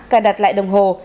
cài đặt lại đồng hồ